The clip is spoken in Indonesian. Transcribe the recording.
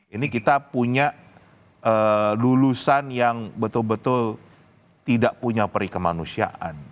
ini kita punya lulusan yang betul betul tidak punya perikemanusiaan